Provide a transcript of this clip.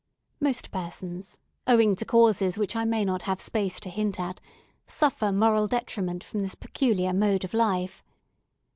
Most persons, owing to causes which I may not have space to hint at, suffer moral detriment from this peculiar mode of life.